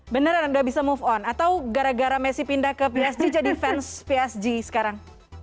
bener sudah bisa move on atau gara gara messi pindah gl jadi fans psg sekarang